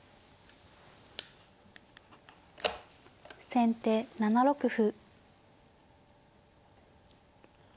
先手７六歩。